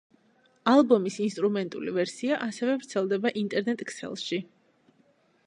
ალბომის ინსტრუმენტული ვერსია ასევე ვრცელდება ინტერნეტ-ქსელში.